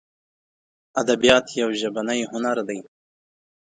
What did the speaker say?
ادبیات یو ژبنی هنر دی.